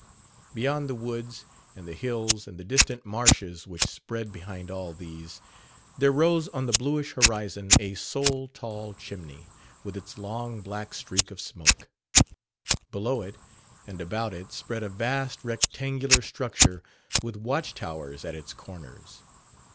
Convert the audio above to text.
Beyond the woods and the hills and the distant marshes which spread behind all these, there rose on the bluish horizon a sole tall chimney, with its long black streak of smoke. Below it and about it spread a vast rectangular structure with watch towers at its corners.